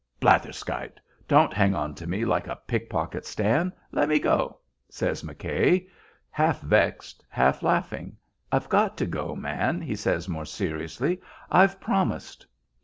"Blatherskite! Don't hang on to me like a pick pocket, Stan. Let me go," says McKay, half vexed, half laughing. "I've got to go, man," he says, more seriously. "I've promised."